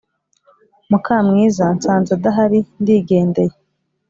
mukamwiza nsanzeadahari ndigendeye